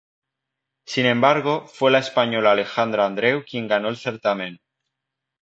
Sin embargo, fue la española Alejandra Andreu quien ganó el certamen.